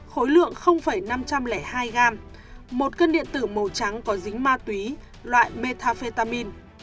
khối lượng năm trăm linh hai gram một cân điện tử màu trắng có dính ma túy loại metafetamin